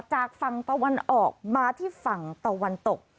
จากฝั่งตะวันออกมาที่ฝั่งตะวันตก